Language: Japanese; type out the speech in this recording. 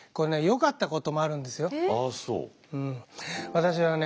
私はね